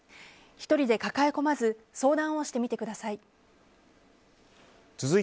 １人で抱え込まず相談をしてみてください。